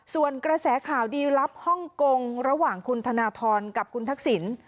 ส่วนกระแสข่าวดีลับฮ่องกงระหว่างคุณธนทรกับคุณทักษิณ